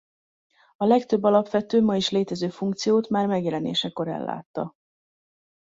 A legtöbb alapvető ma is létező funkciót már megjelenésekor ellátta.